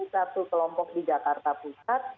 satu kelompok di jakarta pusat